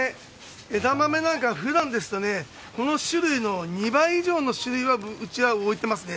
枝豆なんか、ふだんですとね、この種類の２倍以上の種類は、うちは置いてますね。